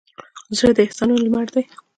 زړه د احساسونو لمر دی.